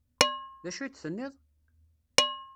D acu ay d-tenniḍ?